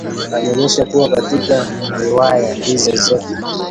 Ameonyesha kuwa katika riwaya hizo zote